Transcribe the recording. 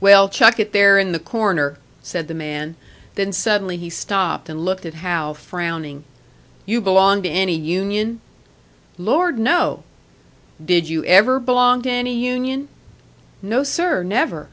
"Well, chuck it there in the corner," said the man; then suddenly he stopped, and looked at Hal, frowning. "You belong to any union?" "Lord, no!" "Did you ever belong to any union?" "No, sir. Never."